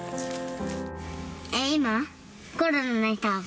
今？